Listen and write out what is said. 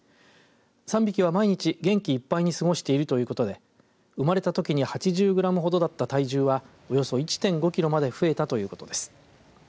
３匹は毎日、元気いっぱいに過ごしているということで生まれたときに８０グラムほどだった体重はおよそ１．５キロまで増えたということです。